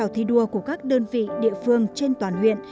trào thi đua của các đơn vị địa phương trên toàn huyện